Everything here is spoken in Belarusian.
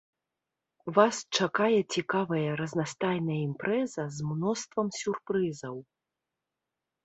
Вас чакае цікавая разнастайная імпрэза з мноствам сюрпрызаў.